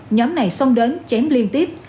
nhóm này xông đến chém liên tiếp